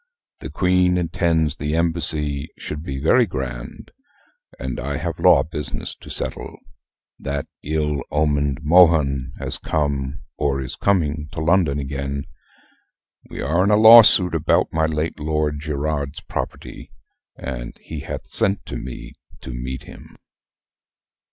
The Queen intends the embassy should be very grand and I have law business to settle. That ill omened Mohun has come, or is coming, to London again: we are in a lawsuit about my late Lord Gerard's property; and he hath sent to me to meet him."